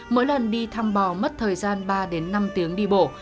mỗi lần đi thăm bò mất thời gian ba đến năm tiếng đi bộ